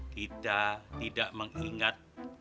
kita tidak mengingat